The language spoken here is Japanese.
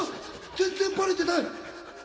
全然バレてない